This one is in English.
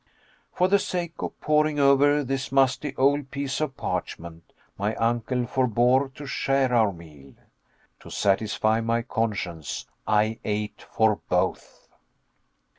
For the sake of poring over this musty old piece of parchment, my uncle forbore to share our meal. To satisfy my conscience, I ate for both.